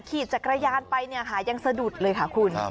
ขี่จักรยานไปเนี่ยค่ะยังสะดุดเลยค่ะคุณ